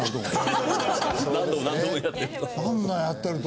何度も何度もやってると。